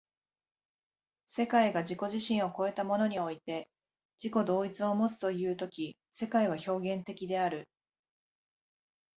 世界が自己自身を越えたものにおいて自己同一をもつという時世界は表現的である。